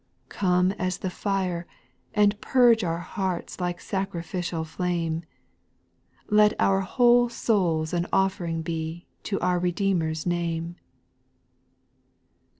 3. Come as the fire, — and purge our hearts Like sacrificial flame ; Let our whole souls an offering be To our Redeemer's name.